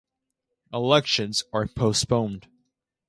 Elections are postponed.